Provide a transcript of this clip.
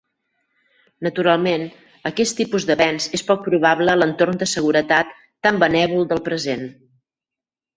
Naturalment, aquest tipus d"avenç és poc probable a l"entorn de seguretat tan benèvol del present.